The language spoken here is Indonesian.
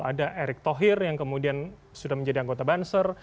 ada erick thohir yang kemudian sudah menjadi anggota banser